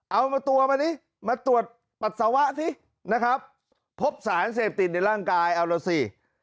เอามาตัวมาดิมาตรวจปัสสาวะสินะครับพบสารเสพติดในร่างกายเอาแล้วสิ